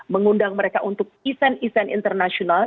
mengundang mereka untuk event event internasional